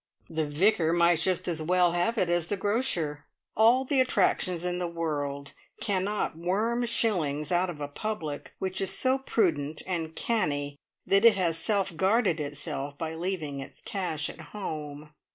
The Vicar might just as well have it as the grocer. All the attractions in the world cannot worm shillings out of a public which is so prudent and canny that it has self guarded itself by leaving its cash at home!